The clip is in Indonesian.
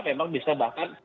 memang bisa bahkan